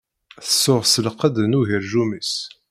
Tsuɣ s lqedd n ugerjum-is.